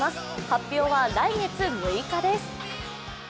発表は来月６日です。